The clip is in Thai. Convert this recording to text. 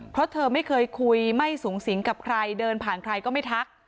เพราะเธอไม่เคยคุยไม่สูงสิงกับใครเดินผ่านใครก็ไม่ทัก